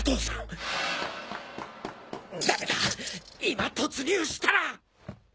今突入したら！